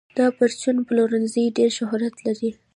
دا پرچون پلورنځی ډېر شهرت لري.